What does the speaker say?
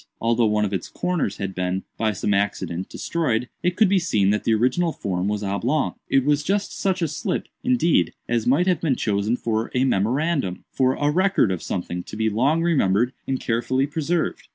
Although one of its corners had been, by some accident, destroyed, it could be seen that the original form was oblong. It was just such a slip, indeed, as might have been chosen for a memorandum—for a record of something to be long remembered and carefully preserved."